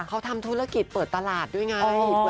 เขาทำธุรกิจเปิดตลาดด้วยไง